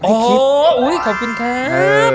โอ้โหขอบคุณครับ